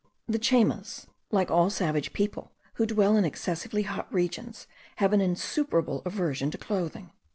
The Chaymas, like all savage people who dwell in excessively hot regions, have an insuperable aversion to clothing.